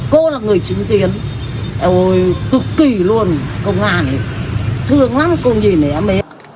cô là người trứng tuyến thật kỳ luôn công an thương lắm cô nhìn này